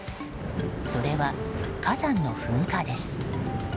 それは火山の噴火です。